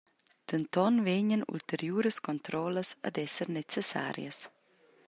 Denton vegnan ulteriuras controllas ad esser necessarias.